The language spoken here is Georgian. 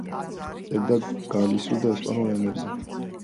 წერდა გალისიურ და ესპანურ ენებზე.